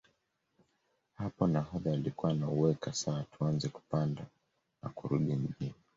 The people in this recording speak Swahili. Hapo nahodha alikuwa anauweka sawa tuanze kupanda na kurudi Mjini